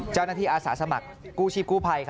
เจ้าหน้าที่อาสาสมัครกู้ชีพกู้ภัย